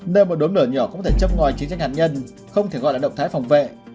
nơi một đốm nửa nhỏ cũng có thể châm ngoài chiến tranh hạt nhân không thể gọi là động thái phòng vệ